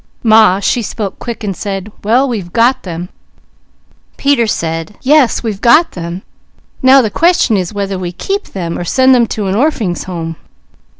"Ma she spoke quick and said: 'Well we've got them!' "Peter said, 'Yes, we've got them; now the question is whether we keep them, or send them to an Orphings' Home.'